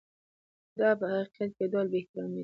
دا په حقیقت کې یو ډول بې احترامي ده.